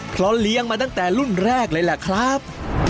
เพราะเลี้ยงมาตั้งแต่รุ่นแรกเลยแหละครับ